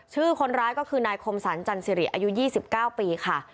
ชื่อคนร้ายก็คือนายคมสรรจันสิริอายุ๒๙ปีค่ะ